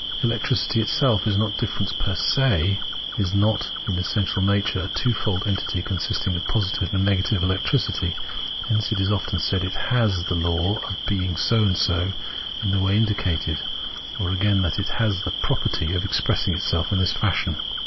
Electricity itself is not difference fer se, is not in its essential natui'e a twofold entity consisting of positive and negative electricity ; hence it is often said it has the law of being so and so in the way indicated, or again, that it has the property of expressing itself in this fashion.